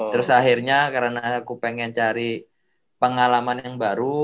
terus akhirnya karena aku pengen cari pengalaman yang baru